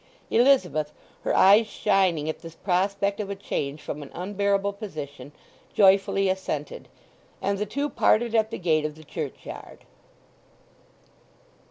Elizabeth, her eyes shining at this prospect of a change from an unbearable position, joyfully assented; and the two parted at the gate of the churchyard.